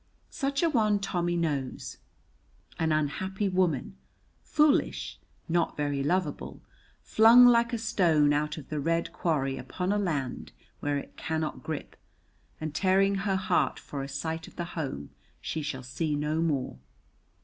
Such a one Tommy knows, an unhappy woman, foolish, not very lovable, flung like a stone out of the red quarry upon a land where it cannot grip, and tearing her heart for a sight of the home she shall see no more.